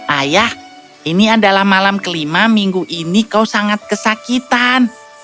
ayah ini adalah malam kelima minggu ini kau sangat kesakitan